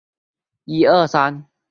蝶角蛉科成虫以其他昆虫为食。